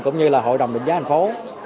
cũng như là hội đồng định giá thành phố